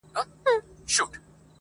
له تودې سینې را وځي نور ساړه وي-